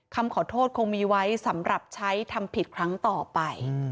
คำขอโทษคงมีไว้สำหรับใช้ทำผิดครั้งต่อไป